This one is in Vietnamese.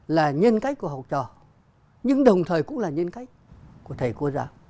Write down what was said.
là nhân cách của học trò nhưng đồng thời cũng là nhân cách của thầy cô giáo